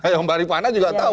yang mbak rifana juga tahu